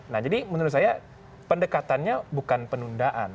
nah jadi menurut saya pendekatannya bukan penundaan